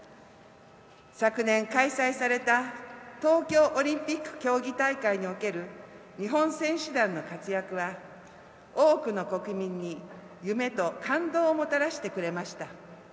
昨年開催された東京オリンピック競技大会における日本選手団の活躍は多くの国民に夢と感動をもたらしてくれました。